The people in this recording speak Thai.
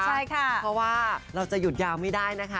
ใช่ค่ะเพราะว่าเราจะหยุดยาวไม่ได้นะคะ